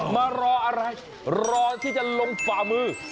มารออะไรรอที่จะลงฝ่ามือ